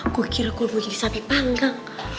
gue kira gue boleh jadi sapi panggang